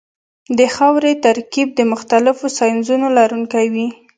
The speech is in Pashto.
د خاورې ترکیب د مختلفو سایزونو لرونکی وي